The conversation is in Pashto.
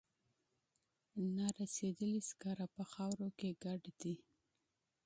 نارسیدلي سکاره په خاورو کې شاملې دي.